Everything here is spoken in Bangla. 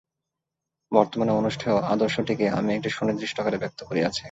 বর্তমানে অনুষ্ঠেয় আদর্শটিকে আমি একটি সুনির্দিষ্ট আকারে ব্যক্ত করিয়াছি।